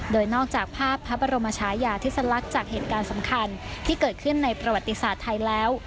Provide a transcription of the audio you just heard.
โดยนอกจากภาพพระบรมชายาธิสลักษณ์จากเหตุการณ์สำคัญที่เกิดขึ้นในประวัติศาสตร์ไทยแล้ว